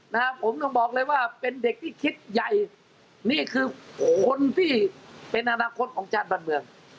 นะฮะผมต้องบอกเลยว่าเป็นเด็กที่คิดใหญ่นี่คือคนที่เป็นอนาคตของชาติบ้านเมือง